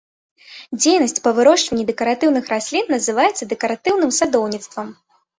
Дзейнасць па вырошчванні дэкаратыўных раслін называецца дэкаратыўным садоўніцтвам.